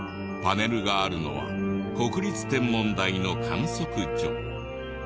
パネルがあるのは国立天文台の観測所。